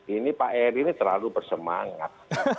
ini pak eri ini terlalu bersemangat